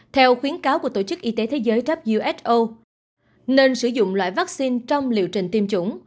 theo khuyến cáo của tổ chức y tế thế giới who nên sử dụng loại vaccine trong liệu trình tiêm chủng